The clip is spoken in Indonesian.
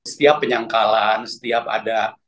setiap penyangkalan setiap ada